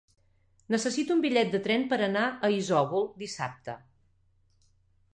Necessito un bitllet de tren per anar a Isòvol dissabte.